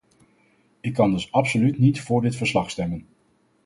Ik kan dus absoluut niet voor dit verslag stemmen.